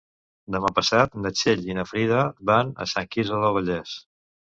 Demà passat na Txell i na Frida van a Sant Quirze del Vallès.